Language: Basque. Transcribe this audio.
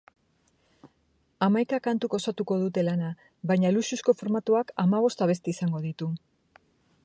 Hamaika kantuk osatuko dute lana, baina luxuzko formatuak hamabost abesti izango ditu.